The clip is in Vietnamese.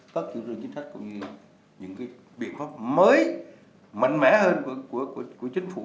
các kiểu truyền chính xác những biện pháp mới mạnh mẽ hơn của chính phủ